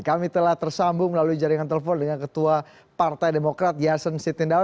kami telah tersambung melalui jaringan telepon dengan ketua partai demokrat yassin sitindal